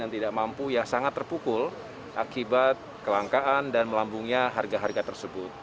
yang tidak mampu yang sangat terpukul akibat kelangkaan dan melambungnya harga harga tersebut